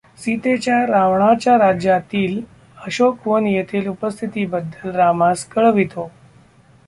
सीतेच्या रावणाच्या राज्यातील अशोकवन येथील उपस्थितीबद्दल रामास कळवितो.